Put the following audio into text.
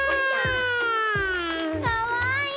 かわいい！